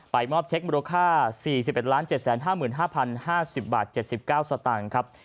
มอบเช็คมูลค่า๔๑๗๕๕๐๕๐บาท๗๙สตางค์ครับ